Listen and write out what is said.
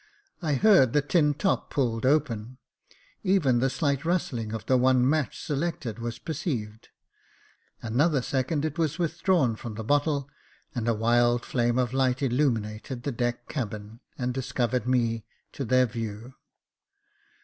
I heard the tin top pulled open — even the shght rustling of the one match selected was perceived. Another second it was withdrawn from the 64 Jacob Faithful bottle, and a wild flame of light illumined the deck cabin, and discovered me to their view.